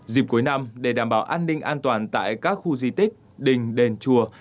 dịp cuối năm để đảm bảo an ninh an toàn tại các khu di tích đình đền chùa